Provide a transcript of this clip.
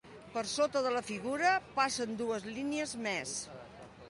Per sota de la figura passen dues línies més.